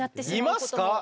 いますか？